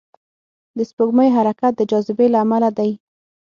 د سپوږمۍ حرکت د جاذبې له امله دی.